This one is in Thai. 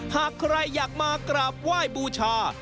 หากใครอยากมากราบไหว้บูชา